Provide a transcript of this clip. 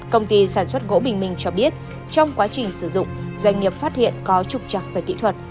công ty sản xuất gỗ bình minh cho biết trong quá trình sử dụng doanh nghiệp phát hiện có trục trặc về kỹ thuật